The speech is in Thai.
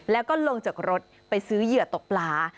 แล้วก็ลงจากรถไปซื้อเหยื่อตกปลา